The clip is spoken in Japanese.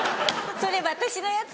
「それ私のやつ」。